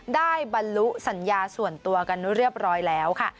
ได้บรรลุสัญญาส่วนตัวกันเรียบร้อยแล้วค่ะ